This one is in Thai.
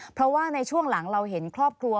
เพราะว่าในช่วงหลังเราเห็นครอบครัว